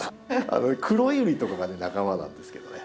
クロユリとかがね仲間なんですけどね。